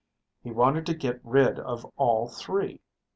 "He wanted to get rid of all three.